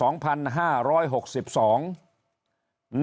นักธุรกิจรายใหญ่